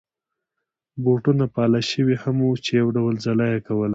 بوټونه پالش شوي هم وو چې یو ډول ځلا يې کول.